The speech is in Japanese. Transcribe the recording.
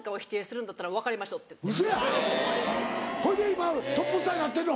ほいで今トップスターになってんの？